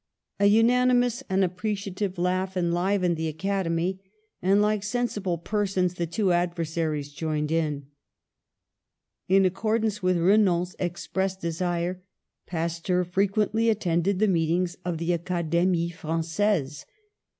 "A unanimous and appreciative laugh en livened the Academy, and, like sensible persons, his two adversaries joined in." In accordance with Renan's expressed desire, Pasteur frequently attended the meetings of the Academie Frangaise.